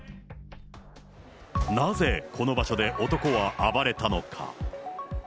なぜこの場所で男は暴れたのか。